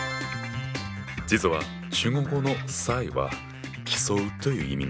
実は中国語の「賽」は競うという意味なんだよ。